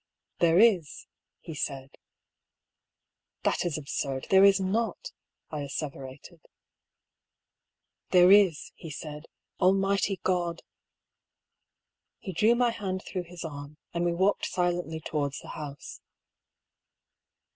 " There is," he said. " That is absurd ; there is wo^," I asseverated* « There is," he said,—" Almighty God !" He drew my hand through his arm, and we walked silently towards the house.